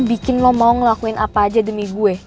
bikin lo mau ngelakuin apa aja demi gue